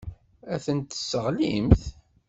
Ad tent-tesseɣlimt.